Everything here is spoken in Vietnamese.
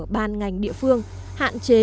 ban ngành địa phương hạn chế